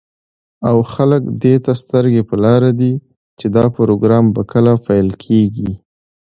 او خلك دېته سترگې په لار دي، چې دا پروگرام به كله پيل كېږي.